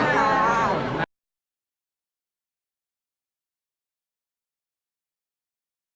ขอบคุณค่ะ